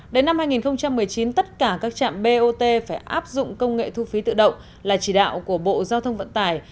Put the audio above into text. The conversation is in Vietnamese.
đến năm hai nghìn một mươi chín tất cả các trạm bot phải áp dụng công nghệ thu phí tự động là chỉ đạo của bộ giao thông vận tải